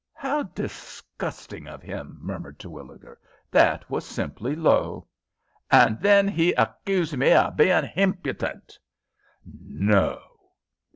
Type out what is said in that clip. "How disgusting of him!" murmured Terwilliger. "That was simply low." "Hand then 'e accuged me of bein' himpudent." "No!"